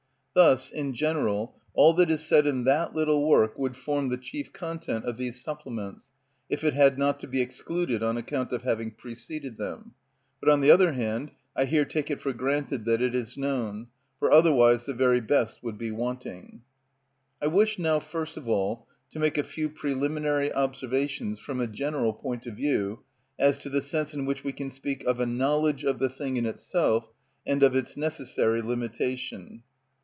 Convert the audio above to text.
Thus, in general, all that is said in that little work would form the chief content of these supplements, if it had not to be excluded on account of having preceded them; but, on the other hand, I here take for granted that it is known, for otherwise the very best would be wanting. I wish now first of all to make a few preliminary observations from a general point of view as to the sense in which we can speak of a knowledge of the thing in itself and of its necessary limitation.